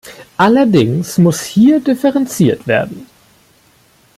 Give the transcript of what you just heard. Allerdings muss hier differenziert werden.